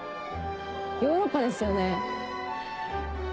ヨーロッパですよね？